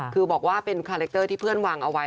คือบอกว่าเป็นคาแรคเตอร์ที่เพื่อนวางเอาไว้